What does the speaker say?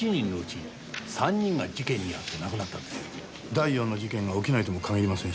第４の事件が起きないとも限りませんし。